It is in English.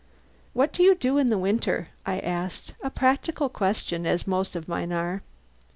"What do you do in winter?" I asked a practical question, as most of mine are.